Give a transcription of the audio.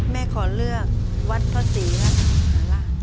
แม่ขอเลือกวัดพระศรีรัตนมหาธาตุ